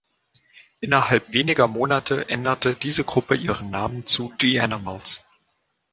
Innerhalb weniger Monate änderte diese Gruppe ihren Namen zu The Animals.